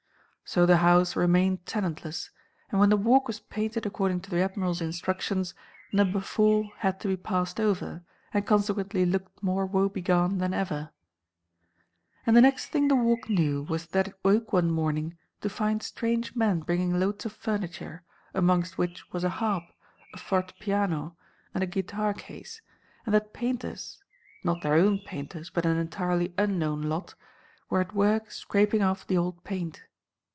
So the house remained tenantless, and when the Walk was painted according to the Admiral's instructions, Number Four had to be passed over, and consequently looked more woe begone than ever. And the next thing the Walk knew was that it woke one morning to find strange men bringing loads of furniture, amongst which was a harp, a forte piano, and a guitar case, and that painters—not their own painters, but an entirely unknown lot—were at work scraping off the old paint.